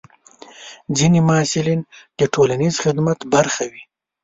ځینې محصلین د ټولنیز خدمت برخه وي.